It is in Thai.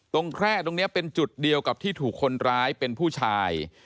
แคร่ตรงนี้เป็นจุดเดียวกับที่ถูกคนร้ายเป็นผู้ชาย